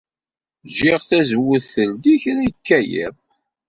Ǧǧiɣ tazewwut teldi kra yekka yiḍ.